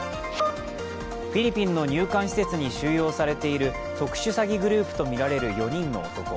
フィリピンの入管施設に収容されている特殊詐欺グループとみられる４人の男。